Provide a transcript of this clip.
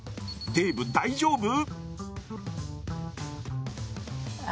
デーブ、大丈夫？